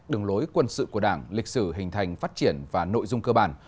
đường lối quân sự của đảng lịch sử hình thành phát triển và nội dung cơ bản